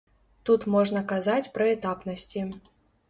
Тут можна казаць пра этапнасці.